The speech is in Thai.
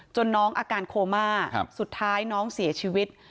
น้องอาการโคม่าสุดท้ายน้องเสียชีวิต